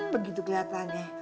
begitu geletan deh